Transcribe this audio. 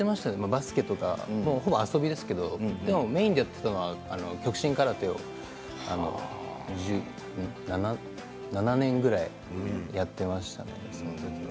バスケとかほぼ遊びですけどメインにやっていたのは極真空手を７年ぐらいやっていましたね。